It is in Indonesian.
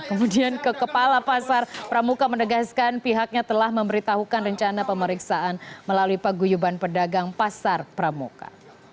kemudian ke kepala pasar pramuka menegaskan pihaknya telah memberitahukan rencana pemeriksaan melalui paguyuban pedagang pasar pramuka